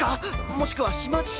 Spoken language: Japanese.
もしくは始末書！？